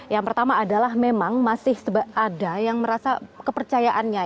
yang pertama adalah memang masih ada yang merasa kepercayaannya